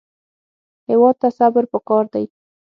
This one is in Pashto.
هېواد ته صبر پکار دی